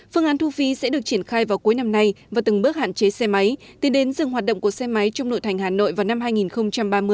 phương án thu phí sẽ được triển khai vào cuối năm nay và từng bước hạn chế xe máy tìm đến dừng hoạt động của xe máy trong nội thành hà nội vào năm hai nghìn ba mươi